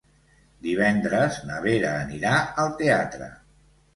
Divendres na Vera anirà al teatre.